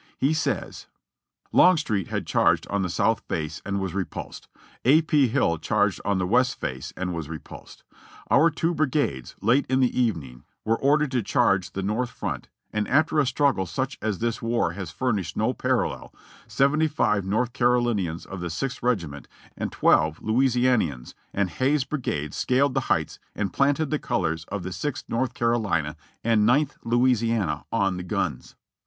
He says : "Longstreet had charged on the south face and was repulsed. A. P. Hill charged on the west face and was repulsed. Our two brigades, late in the evening, were ordered to charge the north front, and after a struggle such as this war has furnished no parallel, 75 North Carolinians of the Sixth Regiment, and 12 Louisianians, and Hays's brigade scaled the heights and planted the colors of the Sixth North Carolina and Ninth Louisiana on the guns.